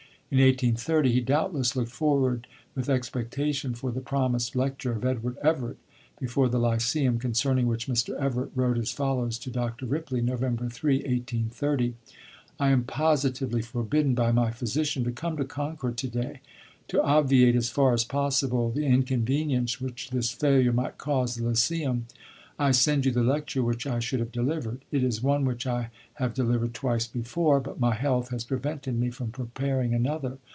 In 1830 he doubtless looked forward with expectation for the promised lecture of Edward Everett before the Lyceum, concerning which Mr. Everett wrote as follows to Dr. Ripley (November 3, 1830): "I am positively forbidden by my physician to come to Concord to day. To obviate, as far as possible, the inconvenience which this failure might cause the Lyceum, I send you the lecture which I should have delivered. It is one which I have delivered twice before; but my health has prevented me from preparing another.